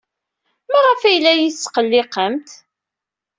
Maɣef ay la iyi-tesqelliqemt?